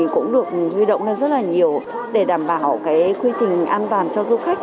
cũng được huy động rất nhiều để đảm bảo quy trình an toàn cho du khách